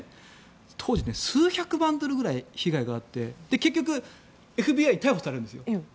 当時数百万ドルぐらい被害があって結局、ＦＢＩ逮捕されるんです。